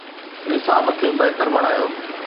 نصاب کي بهتر بڻايو.